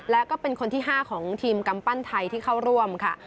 และก็เป็นคนที่๕ของทีมกำปั้นไทยที่เข้าร่วมค่ะ